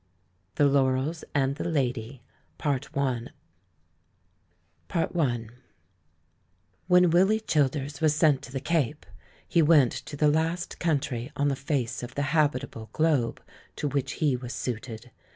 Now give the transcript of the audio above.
THE LAURELS AND THE LADY When Willy Childers was sent to the Cape, he went to the last country on the face of the habitable globe to which he was suited.